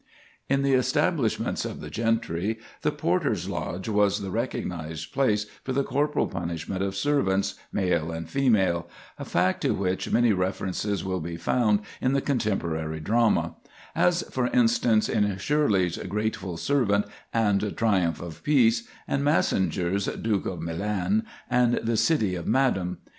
In the establishments of the gentry, the porter's lodge was the recognized place for the corporal punishment of servants, male and female, a fact to which many references will be found in the contemporary drama; as, for instance, in Shirley's "Grateful Servant" and "Triumph of Peace," and Massinger's "Duke of Milan" and "The City Madam."